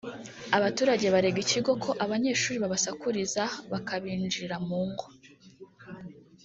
abaturage barega ikigo ko abanyeshuri babasakuriza bakabinjirira mu ngo